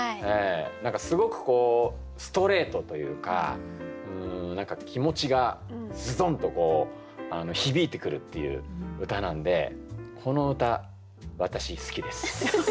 何かすごくストレートというか何か気持ちがズドンと響いてくるっていう歌なんでこの歌私好きです。